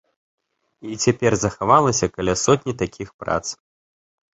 І цяпер захавалася каля сотні такіх прац.